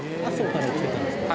太郎来てたんですか？